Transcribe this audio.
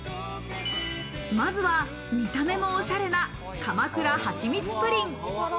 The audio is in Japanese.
まずは見た目もおしゃれな鎌倉はちみつプリン。